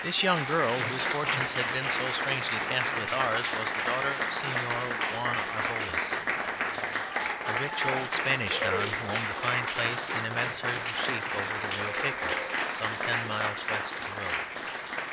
This young girl, whose fortunes had been so strangely cast with ours, was the daughter of Señor Juan Arboles, a rich old Spanish Don who owned a fine place and immense herds of sheep over on the Rio Pecos, some ten miles west of the road.